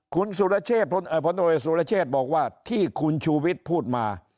คุณสุรเชษฐ์เอ่อผลตำรวจเอกสุรเชษฐ์บอกว่าที่คุณชุวิตพูดมา